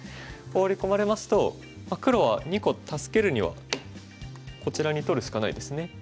ホウリ込まれますと黒は２個助けるにはこちらに取るしかないですね。